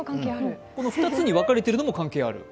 この２つに分かれているのも関係ある？